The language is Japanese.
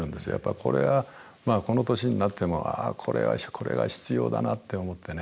これは、この年になっても、ああ、これは必要だなって思ってね。